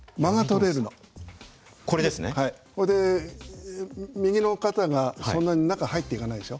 それで右の肩がそんなに中入っていかないでしょ？